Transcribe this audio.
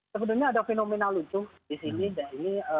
sebenarnya ada fenomena lucu di sini